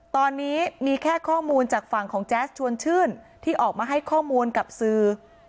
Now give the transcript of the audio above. ตอนนี้มีแค่ข้อมูลจากฝั่งของแจ๊สชวนชื่นที่ออกมาให้ข้อมูลกับสื่อ